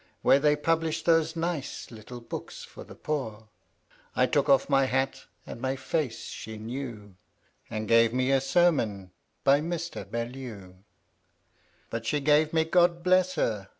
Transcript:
Where they publish those nice little books for the poor: I took off my hat: and my face she knew, And gave me a sermon by Mr. Bel lew. But she gave me (God bless her!)